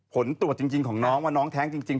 ผลตรวจจริงของน้องว่าน้องแท้งจริง